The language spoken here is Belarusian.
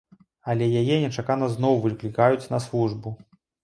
Але яе нечакана зноў выклікаюць на службу.